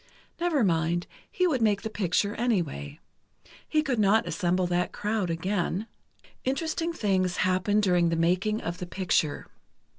Never mind, he would make the picture anyway. He could not assemble that crowd again. Interesting things happened during the making of the picture.